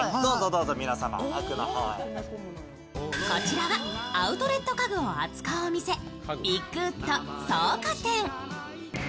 こちらはアウトレット家具を扱うお店。